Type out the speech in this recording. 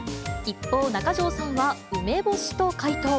一方、中条さんは梅干しと回答。